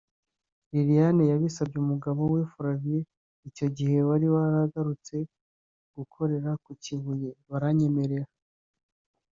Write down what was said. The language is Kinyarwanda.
Liliane yabisabye umugabo we Fravien icyo gihe wari waragarutse gukorera ku Kibuye baranyemerera